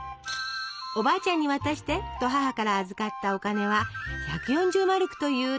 「おばあちゃんに渡して」と母から預かったお金は１４０マルクという大金です。